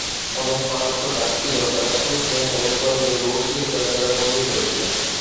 অনেক পারস্য দাস ছিল যারা তুর্কমেন এবং কয়েকজন রুশ ক্রীতদাস দ্বারা বন্দী হয়েছিল।